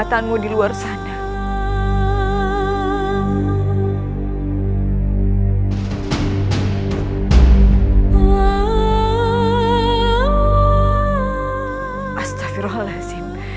masuklah ke dalam